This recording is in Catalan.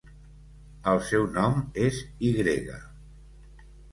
El seu nom és i grega.